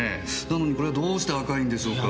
なのにこれはどうして赤いんでしょうか？